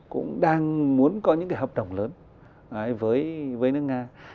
cũng đang muốn có những cái hợp đồng lớn với nước nga